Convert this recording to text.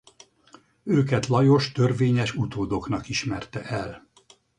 Őket Lajos törvényes utódoknak ismerte el.